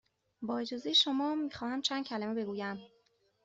با اجازه شما، می خواهم چند کلمه بگویم.